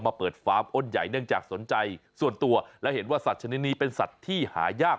เปิดฟาร์มอ้นใหญ่เนื่องจากสนใจส่วนตัวและเห็นว่าสัตว์ชนิดนี้เป็นสัตว์ที่หายาก